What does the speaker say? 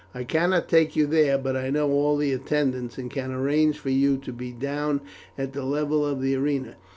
I cannot take you there, but I know all the attendants, and can arrange for you to be down at the level of the arena.